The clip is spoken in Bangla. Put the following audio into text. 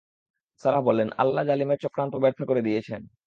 সারাহ্ বললেন, আল্লাহ জালিমের চক্রান্ত ব্যর্থ করে দিয়েছেন।